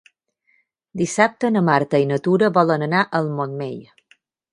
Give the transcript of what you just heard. Dissabte na Marta i na Tura volen anar al Montmell.